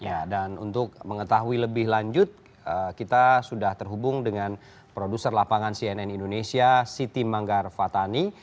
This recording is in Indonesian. ya dan untuk mengetahui lebih lanjut kita sudah terhubung dengan produser lapangan cnn indonesia siti manggar fatani